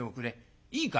いいかい」。